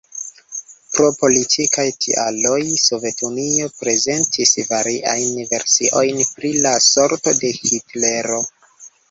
Pro politikaj tialoj, Sovetunio prezentis variajn versiojn pri la sorto de Hitlero.